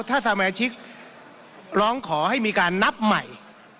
ถ้าสมาชิกร้องขอให้มีการนับใหม่